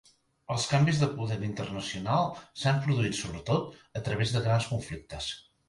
Els canvis de poder internacional s'han produït sobretot a través de grans conflictes.